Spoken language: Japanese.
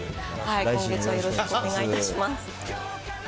今月、よろしくお願いいたします。